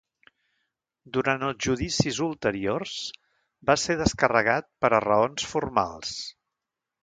Durant els judicis ulteriors, va ser descarregat per a raons formals.